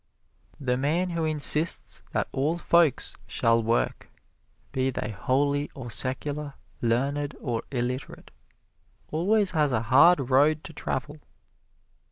The man who insists that all folks shall work, be they holy or secular, learned or illiterate, always has a hard road to travel.